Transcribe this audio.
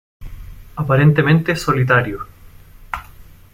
Aparentemente solitario.